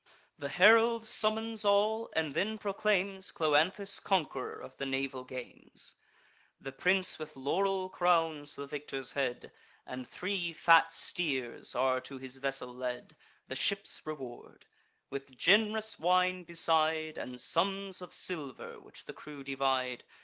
The herald summons all, and then proclaims Cloanthus conqu'ror of the naval games. The prince with laurel crowns the victor's head, And three fat steers are to his vessel led, The ship's reward; with gen'rous wine beside, And sums of silver, which the crew divide.